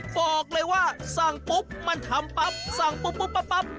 บอกเลยว่าสั่งปุ๊บมันทำปั๊บสั่งปุ๊บปั๊บ